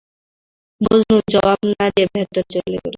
মজনু জবাব না-দিয়ে ভেতরে চলে গেল।